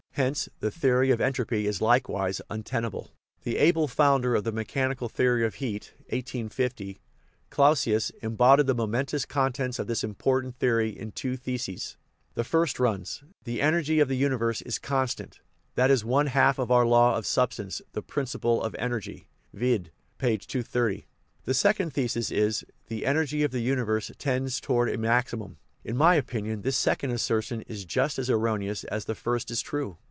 Hence the theory of entropy is likewise un tenable. The able founder of the mechanical theory of heat (1850), Clausius, embodied the momentous contents of this important theory in two theses. The first runs: " The energy of the universe is constant " that is one 246 THE EVOLUTION OF THE WORLD half of our law of substance, the principle of energy (vide p. 230). The second thesis is: " The energy of the universe tends towards a maximum." In my opin ion this second assertion is just as erroneous as the first is true.